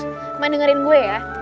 makanya dengerin gue ya